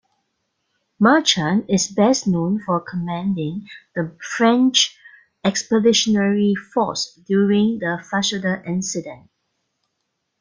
Marchand is best known for commanding the French expeditionary force during the Fashoda Incident.